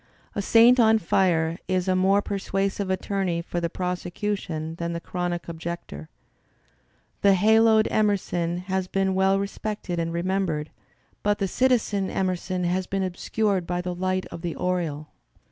A saint on fire is a more persuasive attorney for the prosecution ^ than the chronic objector. The haloed Emerson has been well respected and remembered, but the citizen Emerson has been obscured by the light of the aureole.